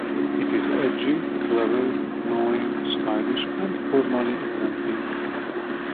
It is edgy, clever, knowing, stylish, and formally inventive.